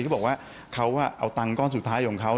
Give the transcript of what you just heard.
เขาบอกว่าเขาเอาตังค์ก้อนสุดท้ายของเขา